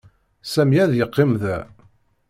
Sami ad yeqqim da.